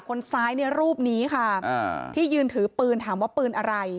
คนซ้ายในรูปนี้ค่ะอ่าที่ยืนถือปืนถามว่าปืนอะไร